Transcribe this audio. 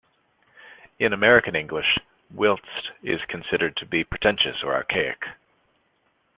In American English, "whilst" is considered to be pretentious or archaic.